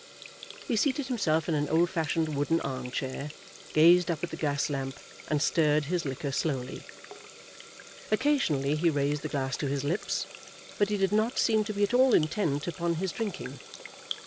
He seated himself in an old fashioned wooden arm chair, gazed up at the gas lamp, and stirred his liquor slowly. Occasionally he raised the glass to his lips, but he did not seem to be at all intent upon his drinking.